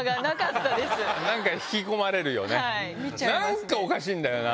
何かおかしいんだよな。